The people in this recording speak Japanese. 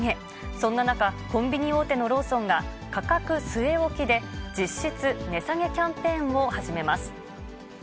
そんな中、コンビニ大手のローソンが価格据え置きで、実質値下げキャンペーンを始めます。